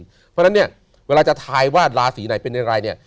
เพราะฉะนั้นเนี่ยเวลาจะทายว่าราศีไหนเป็นอย่างไรเนี่ย